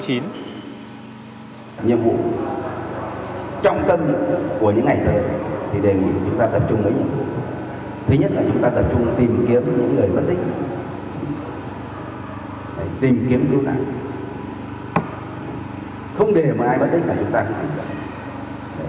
nhiệm vụ trong tâm của những ngày này thì đề nghị chúng ta tập trung ý